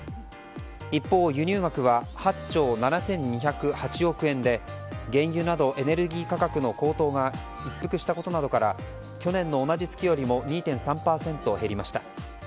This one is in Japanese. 一方、輸入額は８兆７２０８億円で原油などエネルギー価格の高騰が一服したことなどから去年の同じ月よりも２．３％減りました。